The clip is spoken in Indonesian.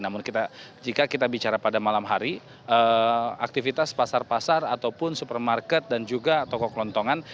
namun jika kita bicara pada malam hari aktivitas pasar pasar ataupun supermarket dan juga toko kelontongan